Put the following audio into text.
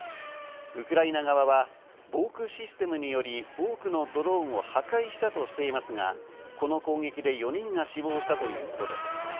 ウクライナ側は防空システムにより多くのドローンを破壊したとしていますが、この攻撃で４人が死亡したということです。